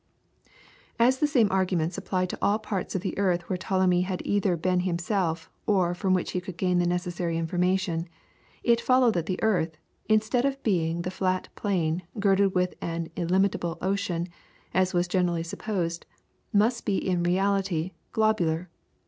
As the same arguments applied to all parts of the earth where Ptolemy had either been himself, or from which he could gain the necessary information, it followed that the earth, instead of being the flat plain, girdled with an illimitable ocean, as was generally supposed, must be in reality globular.